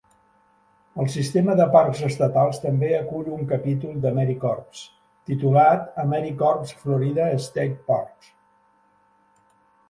El sistema de parcs estatals també acull un capítol d'AmeriCorps, titulat AmeriCorps Florida State Parks.